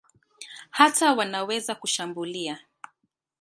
Hata wanaweza kushambulia.